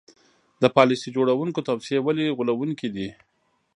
د پالیسي جوړوونکو توصیې ولې غولوونکې دي.